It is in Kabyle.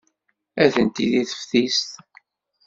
Atenti deg teftist.